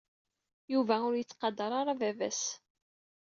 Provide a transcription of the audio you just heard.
Yuba ur yettqadar ara baba-s.